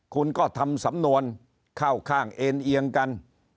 คุณก็ทำสำนวนเข้าข้างเอ็นเอียงกัน